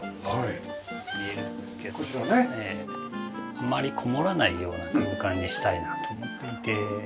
あまりこもらないような空間にしたいなと思っていて。